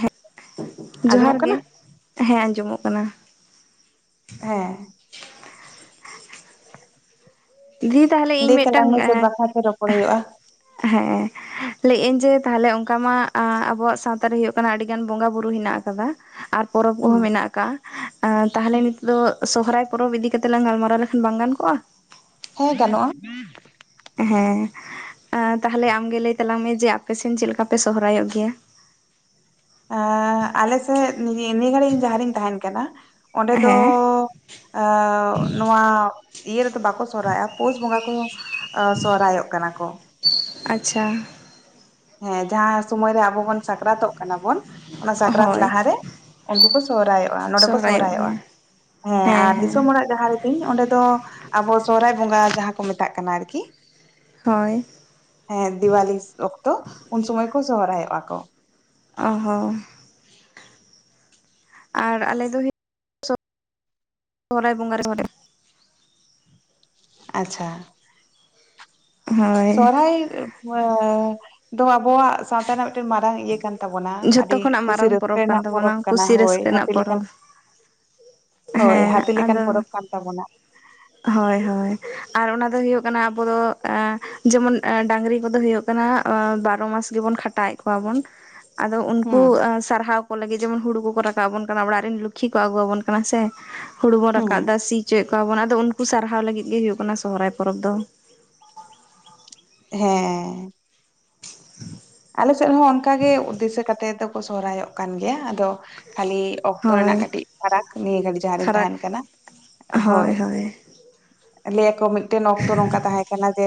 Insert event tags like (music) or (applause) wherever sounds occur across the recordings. ᱦᱮᱸ ᱡᱚᱦᱟᱨ ᱟᱸᱡᱚᱢᱚᱜ ᱜᱮ, ᱠᱟᱱᱟ ᱦᱮᱸ ᱟᱸᱡᱚᱢᱚᱜ ᱠᱟᱱᱟ ᱾ ᱦᱮᱸ ᱫᱤ ᱛᱟᱦᱚᱞᱮ ᱤᱧ ᱞᱟᱹᱭ ᱢᱤᱫᱴᱟᱝ ᱛᱟᱞᱟᱝ ᱢᱮ ᱮ ᱪᱮᱫ ᱵᱟᱠᱷᱨᱟ ᱛᱮ ᱨᱚᱯᱚᱲ ᱦᱩᱭᱩᱜᱼᱟ ᱦᱮᱸᱼᱼ ᱞᱟᱹᱭᱮᱜᱼᱟᱹᱧ ᱡᱮ ᱛᱟᱦᱞᱮ ᱚᱱᱠᱟ ᱢᱟ ᱟᱵᱚᱣᱟᱜ ᱥᱟᱶᱛᱟᱨᱮ ᱦᱩᱭᱩᱜ ᱠᱟᱱᱟ ᱟᱹᱰᱤᱜᱟᱱ ᱵᱚᱸᱜᱟ ᱵᱩᱨᱩ ᱦᱮᱱᱟᱜ ᱟᱠᱟᱫᱟ ᱾ ᱟᱨ ᱯᱚᱨᱚᱵᱽ ᱦᱮᱸ ᱠᱚᱦᱚᱸ ᱢᱮᱱᱟᱜ-ᱟ ᱾ ᱛᱟᱦᱚᱞᱮ ᱱᱤᱛᱚᱜ ᱫᱚ ᱥᱚᱦᱚᱨᱟᱭ ᱯᱚᱨᱚᱵᱽ ᱤᱫᱤ ᱠᱟᱛᱮᱜ ᱞᱟᱝ ᱜᱟᱞᱢᱟᱨᱟᱣ ᱞᱮᱠᱷᱟᱱ ᱵᱟᱝ ᱜᱟᱱ ᱠᱚᱜᱼᱟ? ᱦᱮᱸ ᱜᱟᱱᱚᱜᱼᱟ ᱾ ᱦᱮᱸ ᱟ ᱛᱟᱦᱚᱞᱮ ᱟᱢᱜᱮ ᱞᱟᱹᱭ ᱛᱟᱞᱟᱝ ᱢᱮ ᱡᱮ ᱟᱯᱮᱥᱮᱱ ᱪᱮᱫ ᱞᱮᱠᱟ ᱯᱮ ᱥᱚᱦᱨᱟᱭᱚᱜ ᱜᱮᱭᱟ? ᱟ ᱟᱞᱮ ᱥᱮᱫ ᱱᱤᱭᱟᱹ ᱜᱷᱟᱹᱲᱤᱡ ᱡᱟᱦᱟᱸ ᱨᱤᱧ ᱛᱟᱦᱮᱦᱱ ᱠᱟᱱᱟ ᱚᱸᱰᱮ ᱫᱚ ᱦᱮᱸ ᱮ ᱱᱚᱣᱟ ᱤᱭᱟᱹ ᱨᱮᱫᱚ ᱵᱟᱠᱚ ᱥᱚᱨᱚᱦᱨᱟᱭᱚᱜᱼᱟ ᱯᱩᱥ ᱵᱚᱸᱜᱟ ᱠᱚ ᱥᱚᱨᱦᱟᱭᱚᱜ ᱠᱟᱱᱟ ᱠᱚ ᱾ ᱟᱪᱪᱷᱟ ᱾ ᱦᱮᱸ ᱡᱟᱦᱟᱸ ᱥᱚᱢᱚᱭ ᱨᱮ ᱟᱵᱚ ᱵᱚᱱ ᱥᱟᱠᱨᱟᱛᱚᱜ ᱠᱟᱱᱟ ᱵᱚᱱ ᱚᱱᱟ ᱥᱟᱠᱨᱟᱛ ᱦᱳᱭ ᱞᱟᱦᱟ ᱨᱮᱼᱼ ᱩᱱᱠᱩ ᱠᱚ ᱥᱚᱦᱨᱟᱭᱚᱜᱼᱟ ᱱᱚᱸᱰᱮ ᱠᱚ ᱥᱚᱦᱨᱟᱭᱚᱜ ᱥᱚᱦᱨᱟᱭᱚᱜᱼᱟ ᱜᱮᱭᱟ ᱾ ᱦᱮᱸ ᱟᱨ ᱫᱤᱥᱚᱢ ᱚᱲᱟᱜ ᱡᱟᱦᱟᱸ ᱼᱼ ᱤᱧ ᱚᱸᱰᱮ ᱫᱚ ᱟᱵᱚ ᱥᱚᱦᱚᱨᱟᱭ ᱵᱚᱸᱜᱟ ᱡᱟᱦᱟᱸ ᱠᱚ ᱢᱮᱛᱟᱜ ᱠᱟᱱᱟ ᱟᱨᱠᱤᱼᱼ ᱦᱚᱭ ᱦᱮᱸ ᱫᱤᱣᱟᱞᱤᱥ ᱚᱠᱛᱚ ᱩᱱ ᱥᱩᱚᱢᱚᱭ ᱠᱚ ᱥᱚᱦᱨᱟᱭᱚᱜᱼᱟ ᱠᱚ ᱾ ᱚ ᱦᱚᱸ ᱟᱨ ᱟᱞᱮ ᱫᱚ ᱦᱩᱭᱩᱜᱼᱼ ᱥᱚᱦᱚᱨᱟᱭ ᱵᱚᱸᱜᱟ ᱨᱮ (inaudible) ᱟᱪᱪᱷᱟ ᱾ ᱦᱳᱭ ᱥᱚᱦᱨᱟᱭ ᱫᱚ ᱟᱵᱚᱣᱟᱜ ᱥᱟᱶᱛᱟ ᱨᱮᱱᱟᱜ ᱢᱤᱫᱴᱮᱱ ᱢᱟᱨᱟᱝ ᱤᱭᱟᱹ ᱠᱟᱱᱼᱼ ᱛᱟᱵᱚᱱᱟ, ᱟᱹᱰᱤ ᱡᱷᱚᱛᱚ ᱠᱷᱚᱱᱟᱜ ᱠᱩᱥᱤ ᱢᱟᱨᱟᱝ ᱨᱟᱹᱥᱠᱟᱹ ᱯᱚᱨᱚᱵᱽ ᱠᱟᱱ ᱨᱮᱱᱟᱜ ᱯᱚᱨᱚᱵᱽ ᱛᱟᱵᱚᱱᱟ ᱠᱟᱱᱟ ᱠᱩᱥᱤ ᱦᱳᱭ ᱨᱟᱹᱥᱠᱟᱹ ᱨᱮᱱᱟᱜ ᱦᱟᱹᱛᱤ ᱞᱮᱠᱟᱱᱼᱼ ᱯᱚᱨᱚᱵᱽ ᱦᱳᱭ ᱦᱮᱸ ᱦᱟᱛᱤ ᱞᱮᱠᱟᱱ ᱯᱚᱨᱚᱵᱽ ᱠᱟᱱ ᱛᱟᱵᱚᱱᱟ ᱾ ᱦᱚᱭ ᱦᱚᱭ ᱟᱨ ᱚᱱᱟ ᱫᱚ ᱦᱩᱭᱩᱜ ᱠᱟᱱᱟ ᱟᱵᱚ ᱫᱚ ᱡᱮᱢᱚᱱ ᱰᱟᱝᱨᱤ ᱠᱚᱫᱚ ᱦᱩᱭᱩᱜᱼᱼ ᱵᱟᱨᱚ ᱢᱟᱥ ᱜᱮᱵᱚᱱ ᱠᱷᱟᱴᱟᱣᱮᱫ ᱠᱚᱣᱟ ᱵᱚᱱ, ᱟᱫᱚ ᱩᱱᱠᱩ ᱦᱩᱸ ᱥᱟᱨᱦᱟᱣ ᱾ ᱠᱚ ᱞᱟᱹᱜᱤᱫ ᱡᱮᱢᱚᱱ ᱦᱩᱲᱩ ᱠᱚᱠᱚ ᱨᱟᱠᱟᱵ ᱟᱵᱚᱱ ᱠᱟᱱᱟ, ᱚᱲᱟᱜ ᱨᱮᱱ ᱞᱚᱠᱠᱷᱤ ᱠᱚ ᱟᱹᱜᱩᱣᱟᱵᱚᱱ ᱠᱟᱱᱟ, ᱥᱮ ᱦᱩᱲᱩ ᱵᱚᱱ ᱨᱟᱠᱟᱵ ᱦᱩᱸ ᱮᱫᱟ, ᱥᱤ ᱚᱪᱚᱭᱮᱫ ᱠᱚᱣᱟ ᱵᱚᱱ, ᱟᱫᱚ ᱩᱱᱠᱩ ᱥᱟᱨᱦᱟᱣ ᱞᱟᱹᱜᱤᱫ ᱜᱮ, ᱦᱳᱭᱩᱜ ᱠᱟᱱᱟ ᱥᱚᱦᱚᱨᱟᱭ ᱯᱚᱨᱚᱵᱽ ᱫᱚ᱾ ᱦᱮᱸ, ᱟᱞᱮ ᱥᱮᱫ ᱦᱚᱸ ᱚᱱᱠᱟᱜ ᱜᱮ, ᱩᱫᱫᱮᱥᱚ ᱠᱟᱛᱮ ᱫᱚᱠᱚ ᱥᱚᱦᱚᱨᱟᱭᱚᱜ ᱠᱟᱱ ᱜᱮᱭᱟ, ᱟᱫᱚ ᱠᱷᱟᱹᱞᱤ ᱚᱠᱛᱚ ᱦᱳᱭ ᱨᱮᱱᱟᱜ ᱠᱟᱹᱴᱤᱡ ᱯᱷᱟᱨᱟᱠ, ᱱᱤᱭᱟᱹ ᱜᱷᱟᱹᱲᱤᱡ ᱡᱟᱦᱟᱸᱨᱮᱧ ᱯᱷᱟᱨᱟᱠ ᱛᱟᱦᱮᱱ ᱠᱟᱱᱟ, ᱦᱳᱭ᱾ ᱞᱟᱹᱭᱟᱠᱚ ᱢᱤᱫᱴᱮᱱ ᱚᱠᱛᱚ, ᱱᱚᱝᱠᱟ ᱛᱟᱦᱮᱸ ᱠᱟᱱᱟ, ᱡᱮ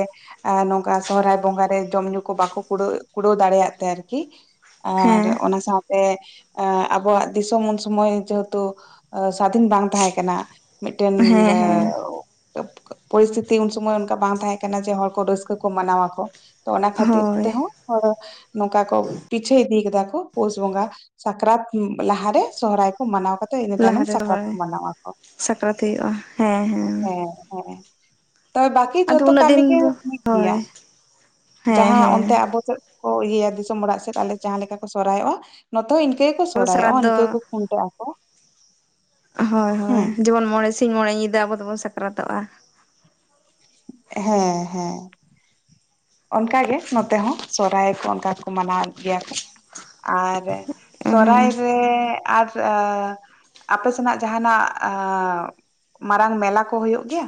ᱟᱨ ᱱᱚᱝᱠᱟ ᱥᱚᱦᱨᱟᱭ ᱵᱚᱸᱜᱟᱟ ᱨᱮ, ᱡᱚᱢ ᱧᱩ ᱠᱚ ᱵᱟᱠᱚ ᱠᱩᱲᱟᱹᱣᱜ ᱠᱩᱲᱟᱹᱣ ᱫᱟᱲᱮᱭᱟᱜ ᱛᱮ, ᱟᱨᱠᱤ ᱟᱨ ᱦᱮᱸ ᱚᱱᱟ ᱥᱟᱶ ᱥᱮ, ᱮᱸ ᱟᱵᱚᱣᱟᱜ ᱫᱤᱥᱚᱢ ᱩᱱ ᱥᱚᱢᱚᱭ, ᱡᱮᱦᱮᱛᱩ ᱥᱟᱫᱷᱤᱱ ᱵᱟᱝ ᱛᱟᱦᱮᱸ ᱠᱟᱱᱟ᱾ ᱢᱤᱫᱴᱮᱱ, ᱦᱮᱸ ᱮ ᱦᱮᱸ ᱯᱚᱨᱤᱥᱛᱷᱤᱛᱤ ᱩᱱ ᱥᱚᱢᱚᱭ, ᱚᱱᱠᱟ ᱵᱟᱝ ᱛᱟᱦᱮᱸ ᱠᱟᱱᱟ ᱡᱮ, ᱦᱚᱲ ᱠᱚ ᱨᱟᱹᱥᱠᱟᱹ ᱠᱚ ᱢᱟᱱᱟᱣ ᱟᱠᱚ᱾ ᱛᱚ ᱚᱱᱟ ᱠᱷᱟᱹᱛᱤᱨ ᱦᱳᱭ ᱛᱮᱦᱚᱸ, ᱦᱚᱲ ᱱᱚᱝᱠᱟ ᱠᱚ ᱯᱤᱪᱷᱟᱹᱣ‌ ᱤᱫᱤ ᱠᱮᱫᱟ ᱠᱚ, ᱯᱳᱥ ᱵᱚᱸᱜᱟ᱾ ᱥᱟᱠᱨᱟᱛ ᱞᱟᱦᱟ ᱨᱮ, ᱥᱚᱦᱚᱨᱟᱭ ᱠᱚ ᱢᱟᱱᱟᱣ ᱠᱟᱛᱮ ᱤᱱᱟ ᱛᱟᱭᱱᱚᱢ, ᱞᱟᱦᱟᱨᱮ ᱥᱠᱟᱨᱟᱛ ᱦᱳᱭ ᱠᱚ ᱢᱟᱱᱟᱶ ᱟᱠᱚ, ᱥᱟᱠᱨᱟᱛ ᱦᱩᱭᱩᱜᱼᱟ ᱦᱮᱸ ᱦᱮᱸ, ᱦᱮᱸ᱾ ᱛᱟᱤ ᱵᱟᱠᱤ ᱟᱫᱚ ᱡᱷᱚᱛᱚ ᱩᱱᱟᱹᱜ ᱠᱟᱹᱢᱤ ᱜᱮ, ᱫᱤᱱ ᱫᱚ ᱢᱤᱫ ᱜᱮᱭᱟ ᱦᱳᱭ ᱦᱮᱸ ᱡᱟᱦᱟᱸ ᱦᱮᱸ ᱚᱱᱛᱮ ᱟᱵᱚ ᱥᱮᱫ ᱠᱚ ᱤᱭᱟᱹᱭᱟ ᱫᱤᱥᱚᱢ ᱚᱲᱟᱜ ᱥᱮᱫ, ᱟᱞᱮ ᱡᱟᱦᱟᱸ ᱞᱮᱠᱟ ᱠᱚ ᱥᱚᱨᱦᱟᱭᱚᱜᱼᱟ, ᱱᱚᱛᱮ ᱦᱚᱸ ᱤᱱᱠᱟᱹ ᱜᱮᱠᱚ ᱟᱵᱚ ᱥᱟᱠᱨᱟᱛ ᱥᱚᱨᱦᱟᱭᱚᱜᱼᱟ, ᱫᱚ ᱤᱱᱠᱟᱹ ᱜᱮ ᱠᱚ ᱠᱷᱩᱱᱴᱟᱹᱜ ᱟᱠᱚ᱾ ᱦᱳᱭ, ᱦᱩᱸ ᱦᱳᱭ, ᱡᱮᱢᱚᱱ ᱢᱚᱬᱮ ᱥᱤᱧ ᱢᱚᱬᱮ ᱧᱤᱫᱟᱹ, ᱟᱵᱚ ᱫᱚᱵᱚᱱ ᱥᱟᱠᱨᱟᱛᱚᱜᱼᱟ᱾ ᱦᱮᱸ, ᱦᱮᱸ᱾ ᱚᱱᱠᱟᱜ ᱜᱮ ᱱᱚᱛᱮ ᱦᱚᱸ, ᱥᱚᱨᱦᱟᱭ ᱠᱚ ᱚᱱᱠᱟ ᱠᱚ, ᱢᱟᱱᱟᱣᱮᱫ ᱜᱮᱭᱟ ᱠᱚ, ᱟᱨ ᱥᱚᱨᱦᱟᱭ ᱦᱮᱸ ᱨᱮ, ᱟᱨ ᱟᱸ ᱟᱯᱮ ᱥᱮᱱᱟᱜ ᱡᱟᱦᱟᱸᱟᱱᱟᱜ, ᱟᱸ ᱢᱟᱨᱟᱝ ᱢᱮᱞᱟ ᱠᱚ ᱦᱳᱭᱳᱜ ᱜᱮᱭᱟ?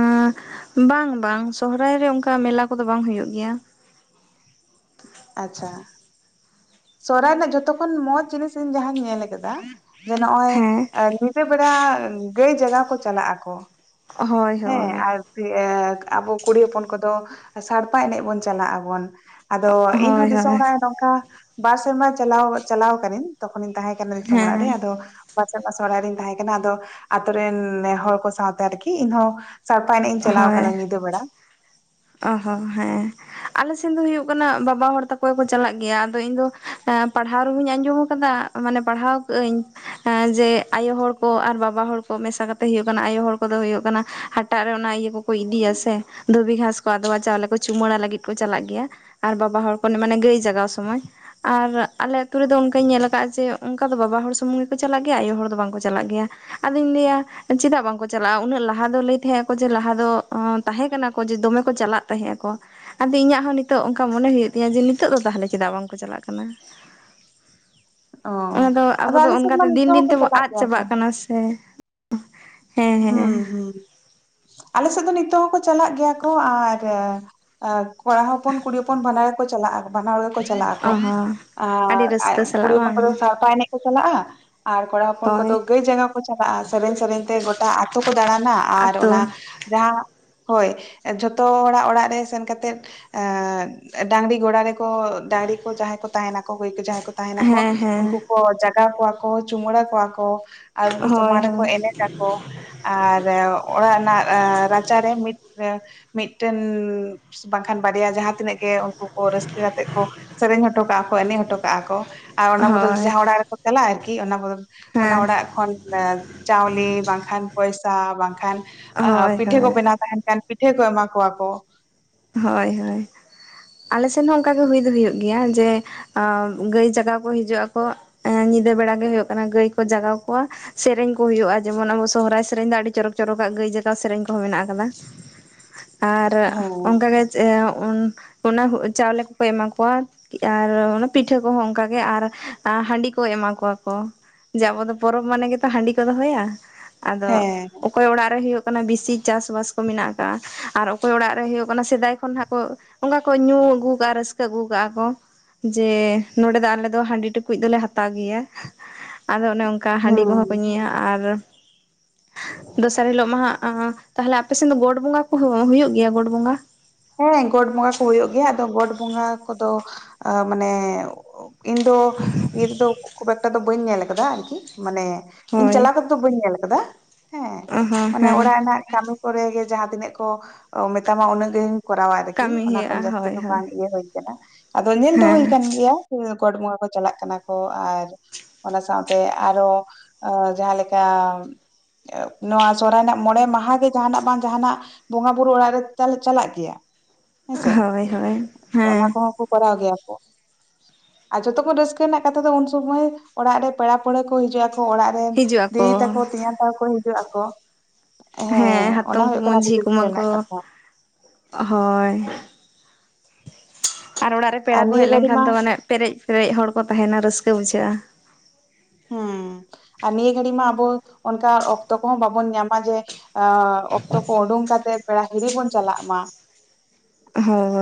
ᱟᱸ ᱵᱟᱝ, ᱵᱟᱝ ᱥᱚᱦᱚᱨᱟᱭ ᱨᱮ, ᱚᱱᱠᱟ ᱢᱮᱞᱟ ᱠᱚᱫᱚ, ᱵᱟᱝ ᱦᱳᱭᱳᱜ ᱜᱮᱭᱟ᱾ ᱟᱪᱪᱷᱟ, ᱥᱚᱦᱚᱨᱟᱭ ᱨᱮᱱᱟᱜ ᱡᱷᱚᱛᱚᱠᱷᱱ, ᱢᱚᱸᱡᱽ ᱡᱤᱱᱤᱥ ᱤᱧ ᱡᱟᱦᱟᱸᱟᱧ ᱧᱮᱞ ᱠᱟᱫᱟ, ᱡᱮ ᱱᱚᱜ-ᱚᱭ ᱦᱮᱸ ᱧᱤᱫᱟᱹ ᱵᱮᱲᱟ, ᱜᱟᱹᱭ ᱡᱟᱜᱟᱣ ᱠᱚ ᱪᱟᱞᱟᱜ ᱟᱠᱚ ᱦᱳᱭ ᱦᱮᱸ ᱦᱳᱭ ᱟᱨ ᱮ ᱟᱵᱚ ᱠᱩᱲᱤ ᱦᱚᱯᱚᱱ ᱠᱚᱫᱚ, ᱥᱟᱲᱯᱟ ᱮᱱᱮᱡ ᱵᱚᱱ ᱪᱟᱞᱟᱜ ᱟᱵᱚᱱ᱾ ᱟᱫᱚ ᱦᱳᱭ ᱤᱧᱦᱚᱸ ᱫᱤᱥᱚᱢ ᱦᱳᱭ ᱚᱲᱟᱜ ᱨᱮ, ᱱᱚᱝᱠᱟ ᱵᱟᱨ ᱥᱮᱨᱢᱟ ᱪᱟᱞᱟᱣ, ᱪᱟᱞᱟᱣ ᱠᱟᱱᱟᱹᱧ ᱡᱚᱠᱷᱚᱱᱤᱧ ᱛᱟᱦᱮᱸ ᱠᱟᱱᱟ᱾ ᱡᱟᱱᱟᱢ ᱫᱤᱥᱚᱢ ᱚᱲᱟᱜ ᱨᱮ, ᱦᱮᱸ ᱟᱫᱚ ᱵᱟᱨ ᱥᱮᱨᱢᱟ ᱥᱚᱨᱦᱟᱭ ᱨᱤᱧ ᱛᱟᱦᱮᱸ ᱠᱟᱱᱟ, ᱟᱫᱚ ᱟᱛᱳ ᱨᱮᱱ, ᱦᱚᱲ ᱠᱚ ᱥᱟᱶᱛᱮ ᱟᱨᱠᱤ, ᱤᱧ ᱦᱚᱸ ᱥᱟᱲᱯᱟ ᱮᱱᱮᱡ ᱤᱧ ᱪᱟᱞᱟᱣ ᱠᱟᱱᱟ, ᱧᱤᱫᱟᱹ ᱵᱮᱲᱟ᱾ ᱚ-ᱦᱚᱸ ᱦᱮᱸ᱾ ᱟᱞᱮ ᱥᱮᱱ ᱫᱚ ᱦᱳᱭᱩᱜ ᱠᱟᱱᱟ, ᱵᱟᱵᱟ ᱦᱚᱲ ᱛᱟᱠᱚ ᱜᱮᱠᱚ ᱪᱟᱞᱟᱜ ᱜᱮᱭᱟ, ᱟᱫᱚ ᱤᱧ ᱫᱚ, ᱯᱟᱲᱦᱟᱣ ᱨᱮᱦᱚᱧ ᱟᱸᱡᱚᱢ ᱠᱟᱫᱟ᱾ ᱢᱟᱱᱮ ᱯᱟᱲᱦᱟᱣ ᱠᱟᱜ ᱟᱹᱧ, ᱡᱮ ᱟᱭᱳ ᱦᱚᱲ ᱠᱚ ᱟᱨ ᱵᱟᱵᱟ ᱦᱚᱲ ᱠᱚ, ᱢᱮᱥᱟ ᱠᱟᱛᱮ ᱦᱳᱭᱳᱜ ᱠᱟᱱᱟ ᱟᱭᱳ ᱦᱚᱲ ᱠᱚᱫᱚ, ᱦᱳᱭᱳᱜ ᱠᱟᱱᱟ ᱦᱟᱴᱟᱜ ᱨᱮ ᱚᱱᱟ ᱤᱭᱟᱹ ᱠᱚᱠᱚ ᱤᱫᱤᱭᱟ, ᱥᱮ ᱫᱷᱩᱵᱤ ᱜᱷᱟᱸᱥ ᱾ ᱟᱫᱣᱟ ᱪᱟᱣᱞᱮ ᱠᱚ ᱪᱩᱢᱟᱹᱲᱟ, ᱞᱟᱹᱜᱤᱫ ᱠᱚ ᱪᱟᱞᱟᱜ ᱜᱮᱭᱟ, ᱟᱨ ᱵᱟᱵᱟ ᱦᱚᱲ ᱠᱚ, ᱢᱟᱱᱮ ᱜᱟᱹᱭ ᱡᱟᱜᱟᱣ ᱥᱚᱢᱚᱭ ᱟᱨ ᱟᱞᱮ ᱟᱛᱳ ᱨᱮᱫᱚ, ᱚᱱᱠᱟᱧ ᱧᱮᱞ ᱠᱟᱜᱼᱟ ᱡᱮ, ᱚᱱᱠᱟ ᱫᱚ ᱵᱟᱵᱟ ᱦᱚᱲ ᱥᱩᱢᱩᱝ ᱜᱮᱠᱚ ᱪᱟᱞᱟᱜ ᱜᱮᱭᱟ, ᱟᱭᱳ ᱦᱚᱲ ᱫᱚ, ᱵᱟᱝᱠᱚ ᱪᱟᱞᱟᱜ ᱜᱮᱭᱟ᱾ ᱟᱫᱚᱧ ᱞᱟᱹᱭᱟ ᱪᱮᱫᱟᱜ ᱵᱟᱝᱠᱚ ᱪᱟᱞᱟᱜᱼᱟ, ᱩᱱᱟᱹᱜ ᱞᱟᱦᱟ ᱫᱚ ᱞᱟᱹᱭ ᱛᱮᱦᱮᱸ, ᱟᱠᱚ ᱡᱮ ᱞᱟᱦᱟ ᱫᱚ, ᱛᱟᱦᱮᱸ ᱠᱟᱱᱟ ᱠᱚ, ᱡᱮ ᱫᱚᱢᱮ ᱠᱚ ᱪᱟᱞᱟᱜ ᱛᱟᱦᱮᱸᱜᱼᱟ ᱠᱚ᱾ ᱟᱫᱚ ᱤᱧᱟᱹᱜ ᱦᱚᱸ ᱱᱤᱛᱚᱜ ᱚᱝᱠᱟ, ᱢᱚᱱᱮ ᱦᱳᱭᱳᱜ ᱛᱤᱧᱟᱹ, ᱡᱮ ᱱᱤᱛᱚᱜ ᱫᱚ ᱛᱟᱦᱚᱞᱮ ᱪᱮᱫᱟᱜ ᱵᱟᱝᱠᱚ ᱪᱟᱞᱟᱜ ᱠᱟᱱᱟ᱾ ᱚ ᱚᱱᱟ ᱫᱚ ᱟᱵᱚ ᱟᱫᱚ ᱫᱚ, ᱟᱞᱮ ᱥᱮᱫ ᱢᱟ ᱚᱱᱠᱟᱛᱮ ᱫᱤᱱ ᱱᱤᱛᱚᱜ ᱦᱚᱸᱠᱚ ᱫᱤᱱ ᱛᱮᱵᱚ ᱪᱟᱞᱟᱜ ᱟᱫ ᱜᱮᱭᱟ ᱠᱚ ᱪᱟᱵᱟᱜ ᱠᱟᱱᱟ ᱥᱮ᱾ ᱦᱮᱸ ᱦᱮᱸ ᱦᱩᱸ, ᱦᱩᱸ, ᱟᱞᱮᱥᱮᱫ ᱫᱚ ᱱᱤᱛᱳᱜ ᱦᱚᱸᱠᱚ, ᱪᱟᱞᱟᱜ ᱜᱮᱭᱟ ᱠᱚ, ᱟᱨ ᱟᱨ ᱠᱚᱲᱟ ᱦᱚᱯᱚᱱ ᱠᱩᱲᱤ ᱦᱚᱯᱚᱱ, ᱵᱟᱱᱟᱨ ᱜᱮᱠᱚ ᱪᱟᱞᱟᱜᱼᱟ, ᱵᱟᱱᱟᱨ ᱦᱚᱲ ᱜᱮ ᱠᱚ ᱪᱟᱞᱟᱜᱼᱟ᱾ ᱪᱟᱞᱟᱜ ᱚ ᱟᱠᱚ, ᱦᱚᱸ ᱟᱹᱰᱤ ᱨᱟᱹᱥᱠᱟᱹ ᱟᱨ- ᱠᱩᱲᱤ ᱥᱟᱞᱟᱜ ᱦᱚᱯᱚᱱ ᱵᱟᱝ ᱠᱚᱫᱚ, ᱥᱟᱲᱯᱷᱟᱹ ᱮᱱᱮᱡ᱾ ᱪᱟᱞᱟᱜᱼᱟ ᱟᱨ ᱠᱚᱲᱟ ᱦᱚᱯᱚᱱ ᱦᱳᱭ ᱠᱚᱫᱚ ᱜᱟᱹᱭ ᱡᱟᱸᱜᱟᱣ ᱠᱚ ᱪᱟᱞᱟᱜᱼᱟ ᱥᱮᱨᱮᱧ ᱥᱮᱨᱮᱧ ᱛᱮ᱾ ᱟᱛᱳ ᱠᱚ ᱫᱟᱬᱟᱱᱟ ᱟᱨ ᱟᱛᱳ ᱚᱱᱟ ᱡᱟᱸᱦᱟ᱾ ᱦᱳᱭ ᱡᱷᱚᱛᱚ ᱦᱚᱲᱟᱜ ᱚᱲᱟᱜ ᱨᱮ ᱥᱮᱱ ᱠᱟᱛᱮᱫ᱾ ᱮ ᱰᱟᱹᱝᱨᱤ ᱜᱚᱲᱟ ᱨᱮᱠᱚ ᱰᱟᱝᱨᱤ ᱠᱚ ᱡᱟᱸᱦᱟᱭ ᱠᱚ ᱛᱟᱦᱮᱱᱟ ᱠᱚ ᱡᱟᱸᱦᱟ ᱠᱚ᱾ ᱛᱟᱦᱮᱱᱟ ᱠᱚ ᱦᱮᱸ ᱦᱮᱸ ᱩᱱᱠᱩ ᱠᱚ ᱡᱟᱜᱟᱣ ᱠᱚᱣᱟ ᱠᱚ ᱪᱩᱢᱟᱹᱲᱟ ᱠᱚᱣᱟ ᱠᱚ᱾ ᱟᱨ ᱦᱳᱭ ᱥᱟᱢᱟᱝ ᱨᱮᱠᱚ‌ ᱦᱳᱭ ᱮᱱᱮᱡ‌ᱟ ᱠᱚ᱾ ᱟᱨ ᱚᱲᱟᱜ ᱨᱮᱱᱟᱜ ᱨᱟᱪᱟᱨᱮ ᱢᱤᱫ ᱾ ᱢᱤᱫᱴᱮᱱ ᱵᱟᱝᱠᱷᱟᱱ ᱵᱟᱨᱭᱟ ᱡᱟᱦᱟᱸᱛᱤᱱᱟᱹᱜ ᱜᱮ᱾ ᱩᱱᱠᱚ ᱨᱟᱹᱥᱠᱟᱹ ᱠᱟᱛᱮ ᱠᱚ ᱥᱮᱨᱮᱧ ᱦᱚᱴᱚ ᱠᱟᱜᱼᱟ ᱠᱚ ᱮᱱᱮᱡ ᱦᱚᱴᱚ ᱠᱟᱜᱼᱟ ᱠᱚ ᱟᱨ ᱚᱱᱟ ᱵᱚᱫᱚᱞ ᱛᱮ ᱦᱳᱭ ᱡᱟᱸᱦᱟ ᱚᱲᱟᱜ ᱨᱮᱠᱚ᱾ ᱪᱟᱞᱟᱜᱼᱟ ᱟᱨᱠᱤ ᱚᱱᱟ ᱵᱚᱫᱚᱞ ᱚᱱᱟ ᱦᱮᱸ ᱚᱲᱟᱜ ᱠᱷᱚᱱ ᱪᱟᱣᱞᱮ᱾ ᱵᱟᱝᱠᱷᱟᱱ ᱯᱚᱭᱥᱟ ᱵᱟᱝᱠᱷᱟᱱ ᱦᱳᱭ ᱯᱤᱴᱷᱟᱹ ᱠᱚ ᱦᱳᱭ ᱵᱮᱱᱟᱣ ᱛᱟᱦᱮᱱ ᱠᱷᱟᱱ ᱯᱤᱴᱷᱟᱹ ᱠᱚ ᱮᱢᱟ ᱠᱚᱣᱟ ᱠᱚ᱾ ᱦᱳᱭ ᱦᱳᱭ ᱟᱞᱮᱥᱮᱫ ᱦᱚᱸ ᱚᱱᱠᱟᱜᱮ ᱦᱩᱭ ᱫᱚ ᱦᱩᱭᱩᱜ ᱜᱮᱭᱟ ᱡᱮ᱾ ᱟᱨ ᱜᱟᱹᱭ ᱡᱟᱜᱟᱣ ᱠᱚ ᱦᱤᱡᱩᱜ ᱟᱠᱚ ᱧᱤᱫᱟᱹ ᱵᱮᱲᱟ ᱜᱮ ᱦᱩᱭᱩᱜ ᱠᱟᱱᱟ ᱜᱟᱹᱭ ᱠᱚ ᱡᱟᱜᱟᱣ ᱠᱚᱣᱟ᱾ ᱥᱮᱨᱮᱧ ᱠᱚ ᱦᱩᱭᱩᱜᱼᱟ ᱡᱮᱢᱚᱱ ᱟᱵᱚ ᱥᱚᱦᱨᱟᱭ ᱥᱮᱨᱮᱧ ᱫᱚ ᱟᱹᱰᱤ ᱪᱚᱨᱚᱠ ᱪᱚᱨᱚᱠᱟᱜ ᱜᱟᱹᱭ ᱡᱟᱜᱟᱣ ᱥᱮᱨᱮᱧ ᱠᱚᱦᱚᱸ ᱢᱮᱱᱟᱜ ᱟᱠᱟᱫᱟ᱾ ᱟᱨ ᱦᱮᱸ ᱚᱱᱠᱟᱜᱮ ᱚᱱᱟ ᱪᱟᱣᱞᱮ ᱠᱚᱠᱚ ᱮᱢᱟ ᱠᱚᱣᱟ᱾ ᱟᱨ ᱯᱤᱴᱷᱟᱹ ᱠᱚ ᱦᱚᱸ ᱚᱱᱠᱟᱜᱮ ᱟᱨ ᱦᱟᱺᱰᱤ ᱠᱚ ᱮᱢᱟ ᱠᱚᱣᱟ ᱠᱚ᱾ ᱡᱮ ᱟᱵᱚ ᱫᱚ ᱯᱚᱨᱚᱵᱽ ᱢᱟᱱᱮ ᱜᱮᱛᱚ ᱦᱟᱺᱰᱤ ᱠᱚ ᱫᱚᱦᱚᱭᱟ᱾ ᱟᱫᱚ ᱦᱮᱸ ᱚᱠᱚᱭ ᱚᱲᱟᱜ ᱨᱮ ᱦᱩᱭᱩᱜ ᱠᱟᱱᱟ ᱵᱤᱥᱤ ᱪᱟᱥ ᱵᱟᱥ ᱠᱚ ᱢᱮᱱᱟᱜ ᱠᱟᱜ-ᱟ ᱟᱨ ᱚᱠᱚᱭ ᱚᱲᱟᱜ ᱨᱮ ᱦᱩᱭᱩᱜ ᱾ ᱚᱱᱟ ᱥᱮᱫᱟᱭ ᱠᱷᱚᱱ ᱦᱟᱸᱜ ᱠᱚ ᱚᱱᱠᱟ ᱠᱚ ᱧᱩ ᱟᱹᱜᱩ ᱠᱟᱜᱼᱟ ᱨᱟᱹᱥᱠᱟᱹ ᱟᱹᱜᱩ ᱠᱟᱜᱼᱟ ᱠᱚ᱾ ᱡᱮ ᱱᱚᱰᱮ ᱫᱚ ᱟᱞᱮ ᱫᱚ ᱦᱟᱺᱰᱤ ᱴᱩᱠᱩᱡ ᱫᱚᱞᱮ ᱦᱟᱛᱟᱣ ᱜᱮᱭᱟ ᱟᱫᱚ ᱚᱱᱮ (inaudible) ᱚᱱᱠᱟ ᱦᱟᱺᱰᱤ ᱦᱩᱸ ᱠᱚᱦᱚᱸ ᱠᱚ ᱧᱩᱭᱟ ᱟᱨ ᱫᱚᱥᱟᱨ ᱦᱤᱞᱳᱜ ᱢᱟ ᱦᱟᱸᱜ᱾ ᱛᱟᱦᱚᱞᱮ ᱟᱯᱮᱥᱮᱫ ᱫᱚ ᱜᱚᱰ ᱵᱚᱸᱜᱟ ᱠᱚ ᱦᱩᱭᱩᱜ ᱜᱮᱭᱟ ᱜᱚᱰ ᱵᱚᱸᱜᱟ᱾ ᱦᱮᱸ ᱜᱚᱰ ᱵᱚᱸᱜᱟ ᱠᱚ ᱦᱩᱭᱩᱜ ᱜᱮᱭᱟ ᱟᱫᱚ ᱜᱚᱰ ᱵᱚᱸᱜᱟ ᱠᱚᱫᱚ ᱢᱟᱱᱮ᱾ ᱤᱧ ᱫᱚ ᱤᱭᱟᱹ ᱨᱮᱫᱚ ᱠᱷᱩᱵ ᱮᱠᱴᱟ ᱫᱚ ᱵᱟᱹᱧ ᱧᱮᱞ ᱠᱟᱫᱟ ᱟᱨᱠᱤ ᱢᱟᱱᱮ᱾ ᱤᱧ ᱪᱟᱞᱟᱣ ᱦᱳᱭ ᱠᱟᱛᱮ ᱫᱚ ᱵᱟᱹᱧ ᱧᱮᱞ ᱟᱠᱟᱫᱟ ᱦᱮᱸ ᱦᱚᱸ ᱢᱟᱱᱮ ᱦᱮᱸ ᱚᱲᱟᱜ ᱨᱮᱱᱟᱜ ᱠᱟᱹᱢᱤ᱾ ᱠᱚᱨᱮ ᱜᱮ ᱡᱟᱦᱟᱸ ᱛᱤᱱᱟᱹᱜ ᱠᱚ ᱢᱮᱛᱟᱢᱟ ᱩᱱᱟᱹᱜ ᱜᱮᱧ ᱠᱚᱨᱟᱣᱟ ᱟᱨᱠᱤ ᱠᱟᱹᱢᱤ ᱚᱱᱟ ᱠᱷᱚᱱ ᱦᱩᱭᱩᱜᱼᱟ ᱡᱟᱹᱥᱛᱤ ᱦᱳᱭ ᱫᱚ ᱦᱳᱭ ᱵᱟᱝ ᱤᱭᱟᱹ ᱦᱩᱭ ᱾ ᱟᱫᱚ ᱧᱮᱞ ᱫᱚ ᱦᱩᱭ ᱦᱮᱸ ᱟᱠᱟᱱ ᱜᱮᱭᱟ ᱜᱚᱴ ᱵᱚᱸᱜᱟ ᱠᱚ ᱪᱟᱞᱟᱜ ᱠᱟᱱᱟ ᱠᱚ ᱟᱨ᱾ ᱚᱱᱟ ᱥᱟᱶᱛᱮ ᱟᱨᱚ ᱡᱟᱸᱦᱟ ᱞᱮᱠᱟ᱾ ᱱᱚᱣᱟ ᱥᱚᱦᱚᱨᱟᱭ ᱨᱮᱱᱟᱜ ᱢᱚᱬᱮ ᱢᱟᱦᱟ ᱜᱮ ᱡᱟᱦᱟᱱᱟᱜ ᱵᱟᱝ ᱡᱟᱦᱟᱱᱟᱜ᱾ ᱵᱚᱸᱜᱟ ᱵᱩᱨᱩ ᱚᱲᱟᱜ ᱨᱮ ᱛᱟᱞᱮ ᱪᱟᱞᱟᱜ ᱜᱮᱭᱟ᱾ ᱦᱮᱸ ᱥᱮ ᱦᱳᱭ ᱦᱳᱭ ᱚᱱᱟ ᱦᱮᱸ ᱠᱚ ᱦᱚᱸ ᱠᱚ ᱠᱚᱨᱟᱣ ᱜᱮᱭᱟ ᱠᱚ᱾ ᱟᱨ ᱡᱷᱚᱛᱚ ᱠᱷᱚᱱ ᱨᱟᱹᱥᱠᱟᱹ ᱨᱮᱱᱟᱜ ᱠᱟᱛᱷᱟ ᱫᱚ ᱩᱱ ᱥᱩᱢᱚᱭ ᱚᱲᱟᱜ ᱨᱮ ᱯᱮᱲᱟ ᱯᱟᱹᱲᱦᱟᱹ ᱠᱚ ᱦᱤᱡᱩᱜᱼᱟ ᱚᱲᱟᱜ᱾ ᱦᱤᱡᱩᱜ ᱫᱤᱫᱤ ᱟᱠᱚ ᱛᱟᱠᱚ ᱛᱤᱭᱟᱧ ᱛᱟᱠᱚ ᱦᱤᱡᱩᱜ ᱟᱠᱚ᱾ ᱦᱮᱸ ᱚᱱᱟ ᱦᱟᱛᱚᱢ ᱦᱩᱭᱩᱜ ᱠᱩᱢᱟ. ᱠᱟᱱᱟ ᱧ ᱟᱹᱰᱤ ᱡᱷᱤ ᱨᱟᱹᱥᱠᱟᱹ ᱠᱚᱢᱟᱹᱧ ᱠᱚ᱾ ᱨᱮᱱᱟᱜ ᱠᱟᱛᱷᱟ ᱦᱳᱭ ᱟᱨ ᱚᱲᱟᱜ ᱨᱮ᱾ ᱯᱮᱲᱟ ᱟᱨ ᱠᱚ ᱱᱤᱭᱟᱹ ᱦᱮᱡ ᱜᱷᱟᱹᱲᱤ ᱞᱮᱱᱠᱷᱟᱱ ᱢᱟ ᱫᱚ ᱢᱟᱱᱮ ᱯᱮᱨᱮᱡ ᱯᱮᱨᱮᱡ ᱦᱚᱲ ᱠᱚ ᱛᱟᱦᱮᱱᱟ ᱨᱟᱹᱥᱠᱟᱹ ᱵᱩᱡᱷᱟᱹᱜᱼᱟ᱾ ᱦᱮᱸ (unintelligible) ᱟᱨ ᱱᱤᱭᱟᱹ ᱜᱷᱟᱹᱲᱤᱡ ᱢᱟ ᱟᱵᱚ ᱚᱱᱠᱟ ᱚᱠᱛᱚ ᱠᱚᱦᱚᱸ ᱵᱟᱵᱚᱱ ᱧᱟᱢᱟ ᱡᱮ᱾ ᱚᱠᱛᱚ ᱠᱚ ᱩᱰᱩᱝ ᱠᱟᱛᱮᱫ ᱯᱮᱲᱟ ᱦᱤᱨᱤ ᱵᱚᱱ ᱪᱟᱞᱟᱜ ᱢᱟ᱾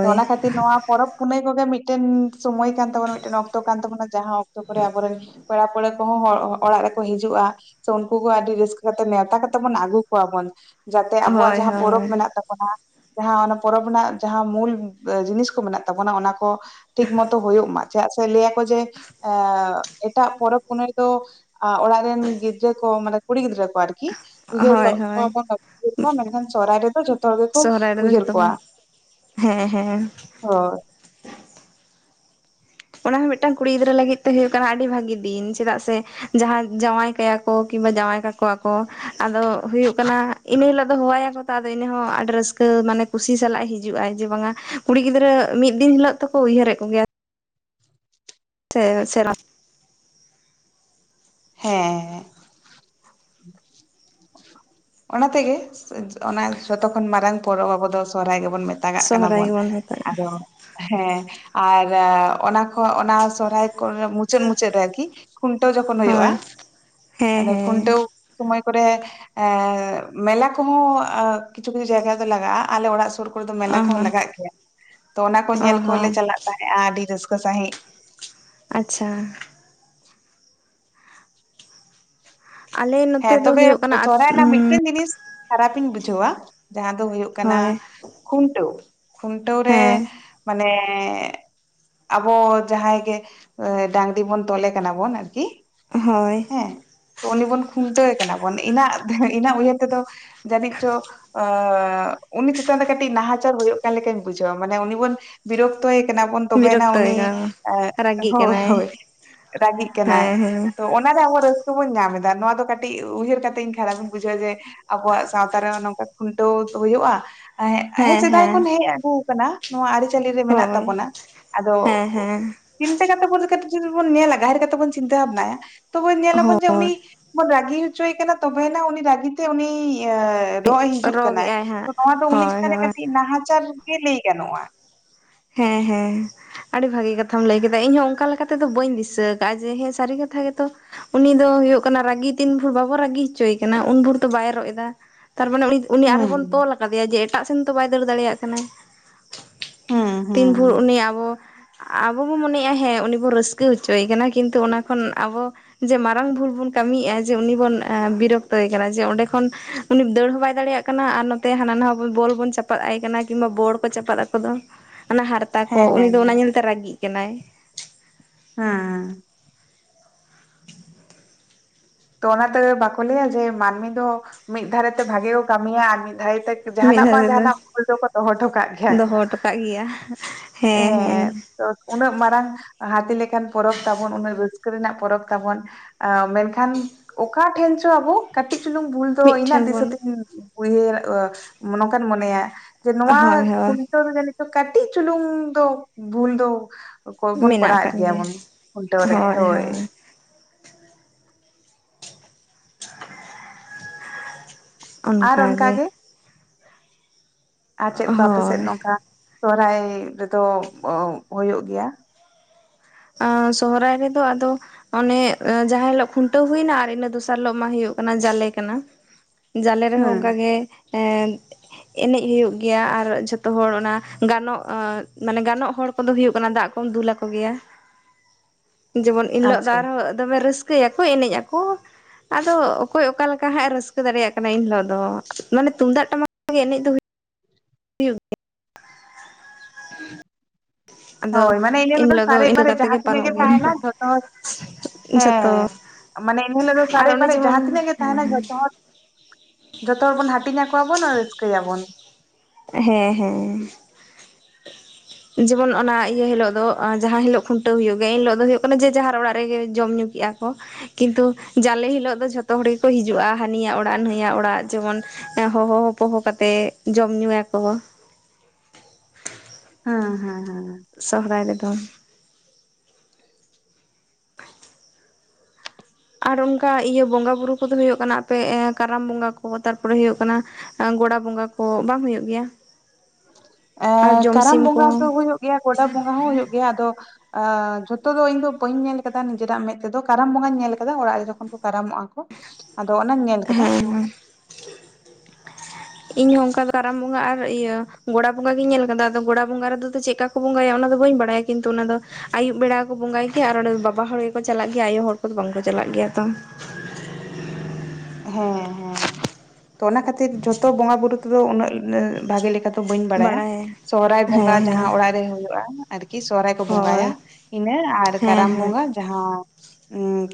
ᱛᱚ ᱚᱱᱟ ᱠᱷᱟᱹᱛᱤᱨ ᱱᱚᱣᱟ ᱯᱚᱨᱚᱵ ᱯᱩᱱᱟᱹᱭ ᱠᱚᱜᱮ ᱢᱤᱫᱴᱮᱱ᱾ ᱥᱚᱢᱚᱭ ᱠᱟᱱ ᱛᱟᱵᱚᱱᱟ ᱢᱤᱫᱴᱮᱱ ᱚᱠᱛᱚ ᱠᱟᱱ ᱛᱟᱵᱚᱱᱟ ᱡᱟᱸᱦᱟ ᱚᱠᱛᱚ ᱠᱚᱨᱮ ᱟᱵᱚᱨᱮᱱ ᱯᱮᱲᱟ ᱯᱟᱹᱣᱲᱟᱹ᱾ ᱟᱵᱚ ᱦᱚᱸ ᱚᱲᱟᱜ ᱨᱮᱠᱚ ᱦᱤᱡᱩᱜᱼᱟ ᱥᱮ ᱩᱱᱠᱩ ᱠᱚ ᱟᱹᱰᱤ ᱨᱟᱹᱥᱠᱟᱹ ᱠᱟᱛᱮ ᱱᱮᱣᱛᱟ ᱠᱟᱛᱮᱜ ᱵᱚᱱ ᱟᱹᱜᱩ ᱠᱚᱣᱟ ᱵᱚᱱ᱾ ᱡᱟᱛᱮ ᱟᱵᱚᱣᱟᱜ ᱦᱳᱭ ᱡᱟᱸᱦᱟ ᱯᱚᱨᱚᱵ ᱦᱳᱭ ᱢᱮᱱᱟᱜ ᱛᱟᱵᱚᱱᱟ᱾ ᱡᱟᱸᱦᱟ ᱚᱱᱟ ᱯᱚᱨᱚᱵᱽ ᱨᱮᱱᱟᱜ ᱡᱟᱸᱦᱟ ᱢᱩᱞ ᱡᱤᱱᱤᱥ ᱠᱚ ᱢᱮᱱᱟᱜ ᱛᱟᱵᱚᱱᱟ ᱚᱱᱟ ᱠᱚ ᱴᱷᱤᱠ ᱢᱚᱛᱚ ᱦᱩᱭᱩᱜ ᱢᱟ᱾ ᱪᱮᱫᱟᱜ ᱥᱮ ᱞᱟᱹᱭ ᱟᱠᱚ ᱡᱮ ᱮ ᱮᱴᱟᱜ ᱯᱚᱨᱚᱵᱽ ᱯᱩᱱᱟᱹᱭ᱾ ᱛᱚ ᱟᱸ ᱚᱲᱟᱜ ᱨᱮᱱ ᱜᱤᱫᱽᱨᱟᱹ ᱠᱚ, ᱢᱟᱱᱮ ᱠᱩᱲᱤ ᱜᱤᱫᱽᱨᱟᱹ ᱠᱚ ᱟᱨ ᱠᱤᱦ ᱩᱭᱦᱟᱹᱨ ᱦᱳᱭ ᱦᱳᱭ ᱯᱟ (inaudible) ᱢᱮᱱᱠᱷᱟᱱ 'ᱥᱚᱦᱨᱟᱭ' ᱨᱮᱫᱚ ᱡᱷᱚᱛᱚ ᱦᱚᱲ ᱜᱮᱠᱚ ᱨᱟᱭ ᱨᱮᱫᱚ ᱩᱭᱦᱟᱹᱨ ᱡᱷᱚᱛᱚ (inaudible) ᱦᱮᱸ, ᱦᱮᱸ᱾ ᱦᱚ ᱚᱱᱟ ᱦᱚᱸ ᱢᱤᱫᱴᱟᱝ ᱠᱩᱲᱤ ᱜᱤᱫᱽᱨᱟᱹ ᱞᱟᱹᱜᱤᱫ ᱛᱮ ᱦᱩᱭᱩᱜ ᱠᱟᱱᱟ ᱟᱹᱰᱤ ᱵᱷᱟᱜᱤ ᱫᱤᱱ, ᱪᱮᱹᱫᱟᱜ ᱥᱮ ᱡᱟᱦᱟᱸᱭ ᱡᱟᱶᱟᱭ ᱠᱟᱭᱟ ᱠᱚ ᱠᱤᱝᱵᱟ ᱡᱟᱶᱟᱭ ᱠᱟᱠᱚᱣᱟ ᱠᱚ, ᱟᱫᱚ ᱦᱩᱭᱩᱜ ᱠᱟᱱᱟ ᱤᱱᱟᱹ ᱦᱤᱞᱳᱜ ᱫᱚ ᱦᱚᱣᱟᱠᱚ ᱛᱟ ᱫᱟᱹ ᱤᱱᱟᱹ ᱦᱚᱸ ᱟᱰᱟᱹ ᱨᱟᱹᱥᱠᱟᱹ ᱢᱟᱱᱮ ᱠᱩᱥᱤ ᱥᱟᱞᱟᱜ ᱮ ᱦᱤᱡᱩᱜᱼᱟᱭ᱾ ᱡᱮ, ᱵᱟᱝᱟ ᱠᱩᱲᱤ ᱜᱤᱫᱽᱨᱟᱹ ᱢᱤᱫ ᱫᱤᱱ ᱦᱤᱞᱳᱜ ᱛᱚᱠᱚ ᱩᱭᱦᱟᱹᱨᱮᱜ ᱠᱚ ᱜᱮᱭᱟ᱾ ᱥᱮ ᱥᱮᱨᱟᱯ ᱦᱮᱸᱻ, ᱚᱱᱟ ᱛᱮᱜᱮ (inaudible) ᱚᱱᱟ ᱥᱚᱛᱚ ᱠᱷᱚᱱ ᱢᱟᱨᱟᱝ ᱯᱚᱨᱚᱵᱽ ᱟᱵᱚ ᱫᱚ 'ᱥᱚᱦᱨᱟᱭ' ᱜᱮᱵᱚᱱ ᱵᱚᱱ ᱢᱮᱛᱟᱜᱟᱜ ᱠᱟᱱᱟ ᱥᱚᱦᱨᱟᱭ ᱵᱚᱱ᱾ ᱜᱮᱵᱚᱱ ᱢᱮᱛᱟᱜᱼᱟ ᱟᱫᱚ ᱦᱮᱸ ᱟ ᱨᱟ ᱚᱱᱟ ᱠᱷᱚ, ᱚᱱᱟ 'ᱥᱚᱦᱨᱟᱭ' ᱠᱚᱨᱮ ᱢᱩᱪᱟᱹᱫ ᱢᱩᱪᱟᱹᱫ ᱨᱮ ᱟᱨᱠᱤ ᱠᱷᱩᱱᱴᱟᱹᱣ ᱡᱚᱠᱷᱚᱱ ᱦᱩᱭᱩᱜᱼᱟ, ᱦᱳᱭ ᱦᱮᱸ ᱟᱫᱚ ᱦᱮᱸ ᱠᱷᱩᱱᱴᱟᱹᱣ ᱥᱚᱢᱚᱭ ᱠᱚᱨᱮ ᱮᱸ ᱢᱮᱞᱟ ᱠᱚᱦᱚᱸ ᱟ ᱠᱤᱪᱷᱩ (inaudible) ᱡᱟᱭᱜᱟ ᱫᱚ ᱞᱟᱜᱟᱜᱼᱟ᱾ ᱟᱞᱮ ᱚᱲᱟᱜ ᱥᱩᱨ ᱠᱚᱨᱮ ᱫᱚ ᱢᱮᱞᱟ ᱚ ᱠᱚᱦᱚᱸ ᱦᱚᱸ ᱞᱟᱜᱟᱜ ᱜᱮᱹᱭᱟ, ᱛᱚ ᱚᱱᱟ ᱠᱚ ᱚ ᱧᱮᱞ ᱠᱚᱞᱮ ᱦᱚᱸ ᱪᱟᱞᱟᱜ ᱛᱟᱦᱮᱸᱜᱼᱟ, ᱟᱹᱰᱤ ᱨᱟᱹᱥᱠᱟᱹ ᱥᱟᱺᱦᱤᱡ᱾ ᱟᱪᱷᱟ! ᱟᱞᱮ ᱱᱚᱛᱮ ᱦᱮᱸ, ᱫᱚ ᱛᱚᱵᱮ ᱦᱩᱭᱩᱜ ᱠᱟᱱᱟ (inaudible) 'ᱥᱚᱦᱨᱟᱭ' ᱨᱮᱱᱟᱜ ᱢᱤᱫᱴᱮᱹᱱ ᱡᱤᱱᱤᱥ ᱠᱷᱟᱨᱟᱯᱤᱧ ᱵᱩᱡᱷᱟᱹᱣᱟ, ᱡᱟᱦᱟᱸ ᱫᱚ ᱦᱩᱭᱩᱜ ᱠᱟᱱᱟ ᱦᱳᱭ ᱠᱷᱩᱱᱴᱟᱹᱣ! ᱠᱷᱩᱱᱴᱟᱹ ᱨᱮ ᱦᱮᱸ ᱢᱟᱱᱮᱹ ᱟᱵᱚ ᱡᱟᱦᱟᱸᱭ ᱜᱮ, ᱮᱸ ᱰᱟᱝᱨᱤ ᱵᱚᱱ, ᱛᱚᱞᱮ ᱠᱟᱱᱟ ᱵᱚᱱ ᱟᱨᱠᱤ ᱚᱸᱦᱳᱭ! ᱮᱸ ᱛᱚ ᱩᱱᱤ ᱵᱚᱱ ᱠᱷᱩᱱᱴᱟᱹᱣᱮ ᱠᱟᱱᱟ ᱵᱚᱱ, ᱤᱱᱟᱜ ᱫᱮᱦᱮᱸ ᱤᱱᱟᱜ ᱩᱭᱦᱟᱹᱨ ᱛᱮᱫᱚ ᱡᱟᱹᱱᱤᱡ ᱪᱚ ᱚ, ᱩᱱᱤ ᱪᱮᱹᱛᱟᱱ ᱨᱮ ᱠᱟᱹᱴᱤᱡ ᱱᱟᱦᱟᱪᱟᱨ ᱦᱩᱭᱩᱜ ᱠᱟᱱ ᱞᱮᱹᱠᱟᱹᱧ ᱵᱩᱡᱷᱟᱹᱣᱟ ᱾ ᱢᱟᱱᱮ ᱩᱱᱤ ᱵᱚᱱ ᱵᱤᱨᱚᱠᱛᱚᱭᱮ ᱠᱟᱱᱟ ᱵᱚᱱ ᱛᱚᱵᱮᱱᱟᱜ ᱵᱤᱨᱚᱠᱛᱚᱭ ᱩᱱᱤ ᱠᱟᱱᱟ ᱮᱸ ᱨᱟᱹᱜᱤᱜ ᱦᱳᱭ, ᱠᱟᱱᱟᱭ ᱦᱳᱭ᱾ ᱨᱟᱜᱤᱜ ᱠᱟᱱᱟᱭ ᱦᱮᱸ ᱾ ᱦᱮᱸ ᱚᱱᱟᱨᱮ ᱟᱵᱚ ᱨᱟᱹᱥᱠᱟᱹ ᱵᱚᱱ ᱧᱟᱢᱮᱫᱟ, ᱱᱚᱣᱟ ᱫᱚ ᱠᱟᱹᱴᱤᱡ ᱩᱭᱦᱟᱹᱨ ᱠᱟᱛᱮᱹᱧ ᱠᱷᱟᱨᱟᱯ ᱵᱩᱡᱷᱟᱹᱣᱮ ᱡᱮ ᱟᱵᱚᱣᱟᱜ ᱥᱟᱶᱛᱟᱨᱮ ᱱᱚᱝᱠᱟ ᱠᱷᱩᱱᱴᱟᱹᱣ ᱛᱚ ᱦᱩᱭᱩᱜᱼᱟ ᱾ ᱮᱸᱜ, ᱦᱮᱸ, ᱥᱮᱹᱫᱟᱭ ᱠᱷᱚᱱ ᱦᱮᱡ ᱟᱹᱜᱩ ᱠᱟᱱᱟ᱾ ᱱᱚᱣᱟ ᱟᱹᱨᱤᱪᱟᱹᱞᱤ ᱨᱮ ᱢᱮᱱᱟᱜ ᱦᱳᱭ ᱛᱟᱵᱚᱱᱟ᱾ ᱟᱫᱚ ᱦᱮᱸ ᱦᱮᱸ ᱪᱤᱱᱛᱟᱹ ᱠᱟᱛᱮᱜ (inaudible) ᱵᱚᱱ ᱧᱮᱞᱟ, ᱜᱟᱦᱤᱨ ᱠᱟᱛᱮ ᱵᱚᱱ ᱪᱤᱱᱛᱟᱹ ᱦᱟᱵᱱᱟᱭᱟ ᱛᱚᱵᱮ ᱧᱮᱞᱟᱵᱚᱱ ᱡᱮ ᱩᱱᱤ ᱦᱳᱭ ᱵᱚᱱ ᱨᱟᱹᱜᱤ ᱦᱚᱪᱚᱭᱮ ᱠᱟᱱᱟ, ᱛᱚᱵᱮᱭᱮᱱᱟᱜ ᱩᱱᱤ ᱨᱟᱹᱜᱤ ᱛᱮ ᱩᱱᱤ ᱭᱟ ᱨᱚᱜ ᱮ ᱦᱤᱡᱩᱜ ᱠᱟᱱᱟ, ᱨᱚᱜᱮᱜᱼᱟᱭ ᱛᱚ ᱦᱟᱸᱜ ᱱᱚᱣᱟ ᱫᱚ ᱩᱱᱤ ᱦᱳᱭ ᱪᱮᱛᱟᱱᱨᱮ ᱦᱳᱭ ᱠᱟᱹᱴᱤᱡ ᱱᱟᱦᱟᱪᱟᱨ ᱜᱮ ᱞᱟᱹᱭ ᱜᱟᱱᱚᱜᱼᱟ᱾ ᱦᱮᱸ, ᱦᱮᱸ! ᱟᱹᱰᱤ ᱵᱷᱟᱹᱜᱤ ᱠᱟᱛᱷᱟᱢ ᱞᱟᱹᱭ ᱠᱮᱫᱟ᱾ ᱤᱧᱦᱚᱸ ᱚᱝᱠᱟ ᱞᱮᱠᱟ ᱛᱮᱫᱚ ᱵᱟᱹᱧ ᱫᱤᱥᱟᱹ ᱠᱟᱜᱼᱟ ᱡᱮ, ᱦᱮᱸ ᱥᱟᱹᱨᱤ ᱠᱟᱛᱷᱟ ᱜᱮᱛᱚ! ᱩᱱᱤ ᱫᱚ ᱦᱩᱭᱩᱜ ᱠᱟᱱᱟ ᱨᱟᱜᱤ ᱛᱤᱱ ᱵᱷᱳᱨ ᱵᱟᱵᱚ ᱨᱟᱜᱤ ᱦᱚᱪᱪᱚᱭᱮ ᱠᱟᱱᱟ, ᱩᱱ ᱵᱷᱩᱨ ᱫᱚ ᱵᱟᱭ ᱨᱚᱜ ᱮᱫᱟ! ᱛᱟᱨᱢᱟᱱᱮ ᱩᱱᱤ ᱩᱱᱤ ᱟᱨ ᱦᱚᱵᱚᱱ ᱦᱩᱸ ᱛᱚᱞ ᱠᱟᱫᱮᱹᱭᱮ ᱡᱮ, ᱴᱟᱜ ᱥᱮᱱ ᱛᱚ ᱵᱟᱭ ᱫᱟᱹᱲ ᱫᱟᱲᱮᱹᱭᱟᱜ ᱠᱟᱱᱟ! ᱦᱩᱸ ᱛᱤᱱ ᱵᱷᱳᱨ ᱦᱩᱸ ᱩᱱᱤ ᱟᱵᱚ ᱟᱵᱚ ᱵᱚᱢ ᱢᱚᱱᱮᱭᱮᱜᱼᱟ, ᱦᱮᱸ, ᱩᱱᱤ ᱵᱚ ᱨᱟᱹᱥᱠᱟᱹ ᱦᱚᱪᱚᱭᱮ ᱠᱟᱱᱟ ᱠᱤᱱᱛᱩ ᱚᱱᱟ ᱠᱷᱚᱱ ᱟᱵᱚ ᱡᱮ ᱢᱟᱨᱟᱝ ᱵᱷᱩᱞ ᱵᱚᱱ ᱠᱟᱹᱢᱤᱭᱮᱜᱼᱟ᱾ ᱡᱮ, ᱩᱱᱤ ᱵᱚᱱ ᱮᱸ, ᱵᱤᱨᱚᱠᱛᱚᱭᱮ ᱠᱟᱱᱟ ᱡᱮ, ᱚᱸᱰᱮ ᱠᱷᱚᱱ ᱩᱱᱤ ᱫᱟᱹᱲ ᱦᱚᱸ ᱵᱟᱭ ᱫᱟᱲᱮᱭᱟᱜ ᱠᱟᱱᱟ ᱟᱨ ᱱᱚᱛᱮ ᱦᱟᱱᱟ ᱱᱷᱟᱣᱟ ᱵᱚ ᱵᱚᱞ ᱵᱚᱱ ᱪᱟᱯᱟᱜ ᱟᱭ ᱠᱟᱱᱟ, ᱠᱤᱢᱵᱟ ᱵᱚᱲ ᱠᱚ ᱪᱟᱯᱟᱫ ᱟᱠᱚ ᱫᱚ! ᱟᱱᱟ ᱦᱟᱨᱛᱟ ᱠᱚ, ᱩᱱᱤ ᱫᱚ ᱚᱱᱟ ᱦᱮᱸ ᱧᱮᱹᱞᱛᱮᱹ ᱨᱟᱜᱤᱜ ᱠᱟᱱᱟᱭ᱾ ᱦᱮᱸ! ᱛᱚ ᱚᱱᱟᱛᱮ ᱵᱟᱠᱚ ᱞᱟᱹᱭᱟ, ᱡᱮ ᱢᱟᱹᱱᱢᱤ ᱫᱚ, ᱢᱤᱫ ᱫᱷᱟᱨᱮᱛᱮ ᱵᱷᱟᱜᱮᱣ ᱠᱟᱢᱤᱭᱟ ᱟ ᱢᱤᱫ ᱫᱷᱟᱨᱮ (inaudible) ᱢᱤᱫ ᱡᱟᱦᱟᱱᱟᱜ ᱫᱷᱟᱣ ᱵᱟᱝ ᱛᱮᱫᱚ ᱡᱟᱦᱱᱟᱜ ᱵᱷᱩᱞ ᱫᱚᱠᱚ ᱫᱚᱦᱚ ᱴᱷᱚ ᱠᱟᱜ ᱜᱷᱮᱭᱟ ᱠᱚ᱾ ᱫᱚᱦᱚ ᱦᱚᱴᱚ ᱠᱟᱜ ᱜᱮᱭᱟ ᱦᱮᱸ, ᱦᱮᱸ! ᱛᱚ ᱩᱱᱟᱹᱜ ᱢᱟᱨᱟᱝ ᱦᱟᱛᱤ ᱞᱮᱠᱟᱱ ᱯᱚᱨᱚᱵᱽ ᱛᱟᱵᱚᱱ ᱩᱱᱟᱹᱜ ᱨᱟᱹᱥᱠᱟᱹ ᱨᱮᱱᱟᱜ ᱯᱚᱨᱚᱵᱽ ᱛᱟᱵᱚᱱ ᱟ ᱢᱮᱱᱠᱷᱟᱱ ᱚᱠᱟ ᱴᱷᱮᱱ ᱪᱚ ᱟᱵᱚ ᱠᱟᱹᱴᱤᱡ ᱪᱩᱞᱩᱝ ᱵᱷᱩᱞ ᱫᱚ ᱤᱧᱹᱜ ᱢᱤᱫᱴᱷᱮᱱ ᱫᱤᱥᱟᱹ ᱵᱚᱱ ᱛᱮ ᱩᱭᱦᱟᱹᱨ ᱟ ᱱᱚᱝᱠᱟᱱ ᱢᱚᱱᱮᱭᱟ ᱡᱮ ᱱᱚᱣᱟ ᱦᱳᱭ ᱦᱳᱭ ᱠᱷᱚᱱ ᱴᱟᱹᱣ ᱫᱚ ᱡᱟᱹᱱᱤᱡ (unintelligible) ᱠᱟᱹᱴᱤᱡ ᱪᱩᱞᱩᱝ ᱫᱚ ᱵᱷᱩᱞ ᱫᱚ ᱚᱠᱚᱭ ᱵᱚᱱ ᱢᱮᱱᱟᱜ ᱠᱚᱨᱟᱣᱮᱫ ᱟᱠᱟᱫ ᱜᱮᱭᱟ ᱵᱚᱱ ᱠᱷᱩᱱᱴᱟᱹᱣ ᱨᱮ ᱦᱳᱭ ᱾ ᱟᱨ ᱚᱱᱠᱟ ᱜᱮ ᱚᱱᱠᱟᱜᱮ ᱾ ᱟᱨ ᱪᱮᱫ ᱠᱚ ᱟᱯᱮ ᱥᱮᱫ ᱦᱳᱭ ᱱᱚᱝᱠᱟ ᱥᱚᱦᱨᱟᱭ ᱨᱮᱫᱚ ᱚ ᱦᱳᱭᱳᱜ ᱜᱮᱭᱟ? ᱟᱸ ᱥᱚᱦᱨᱟᱭ ᱨᱮᱫᱚ ᱟᱫᱚ ᱚᱱᱮ ᱡᱟᱦᱟᱸ ᱦᱤᱞᱚᱜ ᱠᱷᱩᱱᱴᱟᱹᱣ ᱦᱩᱭᱮᱱᱟ ᱟᱨ ᱤᱱᱟᱹ ᱫᱚᱥᱟᱨ ᱦᱤᱞᱚᱜ ᱢᱟ ᱦᱩᱭᱩᱜ ᱠᱟᱱᱟ ᱡᱟᱞᱮ ᱠᱟᱱᱟ ᱾ ᱡᱟᱞᱮ ᱨᱮᱦᱚᱸ ᱦᱩᱸ ᱚᱱᱠᱟ ᱜᱮ ᱮᱸ ᱮᱱᱮᱡ ᱦᱩᱭᱩᱜ ᱜᱮᱭᱟ ᱟᱨ ᱡᱷᱚᱛᱚ ᱦᱚᱲ ᱚᱱᱟ ᱜᱟᱱᱚᱜ ᱢᱟᱱᱮ ᱜᱟᱱᱚᱜ ᱦᱚᱲ ᱠᱚᱫᱚ ᱦᱩᱭᱩᱜ ᱠᱟᱱᱟ ᱫᱟᱜ ᱠᱚᱢ ᱫᱩᱞ ᱟᱠᱚ ᱜᱮᱭᱟ ᱾ ᱡᱮᱢᱚᱱ ᱤᱱ ᱦᱤᱞᱚᱜ ᱫᱚ ᱟᱪᱪᱷᱟ ᱟᱨᱦᱚᱸ ᱫᱚᱢᱮ ᱨᱟᱹᱥᱠᱟᱹᱭᱟᱠᱚ ᱮᱱᱮᱡ ᱟᱠᱚ ᱾ ᱟᱫᱚ ᱚᱠᱚᱭ ᱚᱠᱟ ᱞᱮᱠᱟ ᱦᱟᱸᱜ ᱮ ᱨᱟᱹᱥᱠᱟᱹ ᱫᱟᱲᱮᱭᱟᱜ ᱠᱟᱱᱟ ᱤᱱ ᱦᱤᱞᱚᱜ ᱫᱚ ᱢᱟᱱᱮ ᱛᱩᱢᱫᱟᱜ ᱴᱟᱢᱟᱠ ᱜᱮ ᱮᱱᱮᱡ ᱫᱚ ᱦᱩᱭᱩᱜ ᱦᱩᱭᱩᱜ ᱜᱮᱭᱟ ᱾ ᱟᱫᱚ ᱦᱳᱭ ᱢᱟᱱᱮ ᱤᱱᱟᱹ ᱦᱤᱞᱚᱜ ᱫᱚ ᱮᱱᱦᱤᱞᱳᱜ ᱥᱟᱨᱮᱡ ᱤᱱᱠᱟᱹ ᱵᱟᱨᱮᱡ ᱠᱟᱛᱮ ᱡᱟᱦᱟᱸ ᱛᱤᱱᱟᱹᱜ ᱜᱮ ᱯᱟᱨᱚᱢᱚᱜ ᱜᱮᱭᱟ ᱛᱟᱦᱮᱱᱟ ᱡᱚᱛᱚ ᱦᱚᱲ, ᱡᱷᱚᱛᱚ ᱦᱮᱸ ᱢᱟᱱᱮ ᱤᱱᱟᱹ ᱦᱤᱞᱚᱜ ᱫᱚ ᱟᱨ ᱥᱟᱨᱮᱡ ᱚᱱᱮ ᱵᱟᱨᱮᱡ ᱡᱮᱢᱚᱱ ᱡᱟᱦᱟᱸ ᱛᱤᱱᱟᱹᱜ ᱜᱮ ᱦᱮᱸ ᱛᱟᱦᱮᱱᱟ ᱡᱚᱛᱚ ᱦᱚᱲ ᱡᱚᱛᱚ ᱦᱚᱲ ᱵᱚᱱ ᱦᱟᱹᱴᱤᱧ ᱟᱠᱚᱣᱟᱵᱚᱱ ᱟᱨ ᱨᱟᱹᱥᱠᱟᱹᱭᱟᱵᱚᱱ ᱾ ᱦᱮᱸ ᱦᱮᱸ ᱾ ᱡᱮᱢᱚᱱ ᱚᱱᱟ ᱤᱭᱟᱹ ᱦᱤᱞᱚᱜ ᱫᱚ (unintelligible) ᱡᱟᱦᱟᱸ ᱦᱤᱞᱚᱜ ᱠᱷᱩᱱᱴᱟᱹᱣ ᱦᱩᱭᱩᱜ ᱜᱮᱭᱟ ᱤᱱ ᱦᱤᱞᱚᱜ ᱫᱚ ᱦᱩᱭᱩᱜ ᱠᱟᱱᱟ ᱡᱮ ᱡᱟᱦᱟᱨ ᱚᱲᱟᱜ ᱨᱮᱜᱮ ᱡᱚᱢ ᱧᱩ ᱠᱮᱜ-ᱟ ᱠᱚ ᱾ ᱠᱤᱱᱛᱩ ᱡᱟᱞᱮ ᱦᱤᱞᱚᱜ ᱫᱚ ᱡᱷᱚᱛᱚ ᱦᱚᱲ ᱜᱮᱠᱚ ᱦᱤᱡᱩᱜ-ᱟ, ᱦᱟᱹᱱᱤᱭᱟᱜ ᱚᱲᱟᱜ ᱱᱟᱹᱭᱟᱜ ᱚᱲᱟᱜ ᱡᱮᱢᱚᱱ ᱮᱸ ᱦᱚᱦᱚ ᱦᱚᱯᱚᱦᱚ ᱠᱟᱛᱮᱜ ᱡᱚᱢ ᱧᱩᱭᱟᱠᱚ ᱾ ᱦᱮᱸ ᱦᱮᱸ ᱦᱮᱸ ᱾ ᱥᱚᱦᱨᱟᱭ ᱨᱮᱫᱚ ᱾ ᱟᱨ ᱚᱱᱠᱟ ᱤᱭᱟᱹ ᱵᱚᱸᱜᱟ-ᱵᱩᱨᱩ ᱠᱚᱫᱚ ᱦᱩᱭᱩᱜ ᱠᱟᱱᱟ ᱟᱯᱮ ᱮᱸ ᱠᱟᱨᱟᱢ ᱵᱚᱸᱜᱟ ᱠᱚ ᱛᱟᱨᱯᱚᱨᱮ ᱦᱩᱭᱩᱜ ᱠᱟᱱᱟ ᱜᱚᱲᱟ ᱵᱚᱸᱜᱟ ᱠᱚ ᱵᱟᱝ ᱦᱩᱭᱩᱜ ᱜᱮᱭᱟ? ᱟᱨ ᱮᱸ ᱠᱟᱨᱟᱢ ᱡᱚᱢᱥᱤᱢ ᱠᱚ ᱵᱚᱸᱜᱟ ᱫᱚ ᱦᱩᱭᱩᱜ ᱜᱮᱭᱟ ᱜᱚᱰᱟ ᱵᱚᱸᱜᱟ ᱦᱚᱸ ᱦᱩᱭᱩᱜ ᱜᱮᱭᱟ ᱟᱫᱚ ᱟᱸ ᱡᱷᱚᱛᱚ ᱫᱚ ᱤᱧ ᱫᱚ ᱵᱟᱹᱧ ᱧᱮᱞ ᱠᱟᱫᱟ ᱱᱤᱡᱮᱨᱟᱜ ᱢᱮᱫ ᱛᱮᱫᱚ ᱠᱟᱨᱟᱢ ᱵᱚᱸᱜᱟᱧ ᱧᱮᱞ ᱠᱟᱫᱟ ᱚᱲᱟᱜ ᱨᱮ ᱡᱚᱠᱷᱚᱱ ᱠᱚ ᱠᱟᱨᱟᱢᱚᱜ-ᱟ ᱠᱚ ᱾ ᱟᱫᱚ ᱚᱱᱟᱧ ᱧᱮᱞ ᱠᱟᱫᱟ ᱾ ᱦᱮᱸ ᱤᱧᱦᱚᱸ ᱚᱱᱠᱟ ᱠᱟᱨᱟᱢ ᱵᱚᱸᱜᱟ ᱟᱨ ᱤᱭᱟᱹ ᱜᱚᱲᱟ ᱵᱚᱸᱜᱟ ᱜᱤᱧ ᱧᱮᱞ ᱠᱟᱫᱟ ᱟᱫᱚ ᱜᱚᱲᱟ ᱵᱚᱸᱜᱟ ᱨᱮ ᱪᱮᱫᱠᱟ ᱵᱟᱠᱩ ᱵᱚᱸᱜᱟᱭᱟ ᱚᱱᱟᱫᱚ ᱵᱟᱹᱧ ᱵᱟᱲᱟᱭᱟ ᱠᱤᱱᱛᱩ ᱚᱱᱟ ᱫᱚ ᱟᱭᱩᱵ ᱵᱮᱲᱟ ᱜᱮᱠᱚ ᱵᱚᱸᱜᱟᱭ ᱜᱮᱭᱟ ᱟᱨ ᱚᱸᱰᱮ ᱵᱟᱵᱟ ᱦᱚᱲ ᱜᱮᱠᱚ ᱪᱟᱞᱟᱜ ᱜᱮᱭᱟ ᱟᱭᱳ ᱦᱚᱲ ᱠᱚᱫᱚ ᱵᱟᱝᱠᱚ ᱪᱟᱞᱟᱜ ᱜᱮᱭᱟ ᱛᱚ ᱦᱮᱸ ᱦᱮᱸ ᱛᱚ ᱚᱱᱟ ᱠᱷᱟᱹᱛᱤᱨ ᱡᱚᱛᱚ ᱵᱚᱸᱜᱟ ᱵᱩᱨᱩ ᱛᱮᱫᱚ ᱩᱱᱟᱹᱜ ᱵᱷᱟᱜᱮ ᱞᱮᱠᱟ ᱞᱮᱠᱟᱛᱮ ᱛᱚ ᱵᱟᱹᱧ ᱵᱟᱲᱟᱭᱟ ᱥᱚᱦᱚᱨᱟᱭ ᱵᱚᱸᱜᱟ ᱦᱮᱸ ᱦᱮᱸ ᱡᱟᱦᱟᱸ ᱚᱲᱟᱜ ᱨᱮ ᱦᱩᱭᱩᱜ-ᱟ ᱟᱨᱠᱤ ᱥᱚᱦᱨᱟᱭ ᱠᱚ ᱵᱚᱸᱜᱟᱭᱟ ᱦᱳᱭ ᱾ ᱤᱱᱟᱹ ᱟᱨ ᱦᱮᱸ ᱠᱟᱨᱟᱢ ᱦᱮᱸ ᱵᱚᱸᱜᱟ ᱡᱟᱦᱟᱸ ᱩᱸ